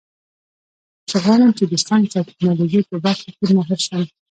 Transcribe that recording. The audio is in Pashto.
زه غواړم چې د ساینس او ټکنالوژۍ په برخه کې ماهر شم